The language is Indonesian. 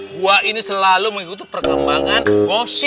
gua ini selalu mengikuti perkembangan wasit